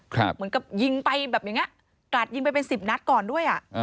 เหมือนกับยิงไปแบบอย่างนี้กราดยิงไปเป็นสิบนัดก่อนด้วยอ่ะ